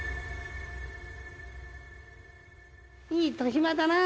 いい年増だなあ。